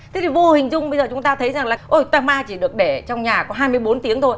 thế thì vô hình dung bây giờ chúng ta thấy rằng là oitama chỉ được để trong nhà có hai mươi bốn tiếng thôi